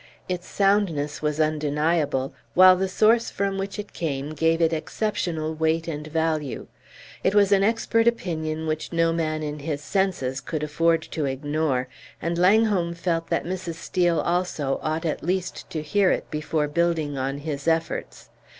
Its soundness was undeniable, while the source from which it came gave it exceptional weight and value. It was an expert opinion which no man in his senses could afford to ignore, and Langholm felt that Mrs. Steel also ought at least to hear it before building on his efforts.